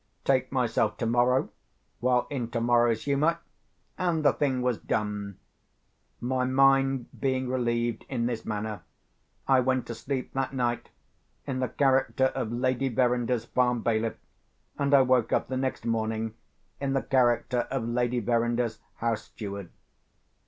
Take myself tomorrow while in tomorrow's humour, and the thing was done. My mind being relieved in this manner, I went to sleep that night in the character of Lady Verinder's farm bailiff, and I woke up the next morning in the character of Lady Verinder's house steward.